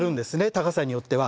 高さによっては。